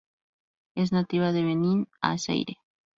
Es nativa de Benín a Zaire.